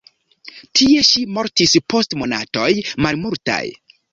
Tie ŝi mortis post monatoj malmultaj.